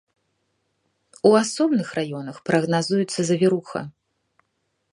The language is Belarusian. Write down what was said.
У асобных раёнах прагназуецца завіруха.